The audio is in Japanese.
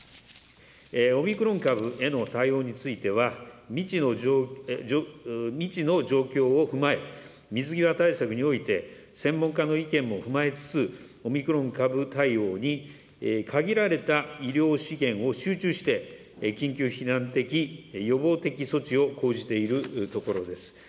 オミクロン株への対応については、未知の状況を踏まえ、水際対策において、専門家の意見も踏まえつつ、オミクロン株対応に限られた医療資源を集中して、緊急避難的、予防的措置を講じているところです。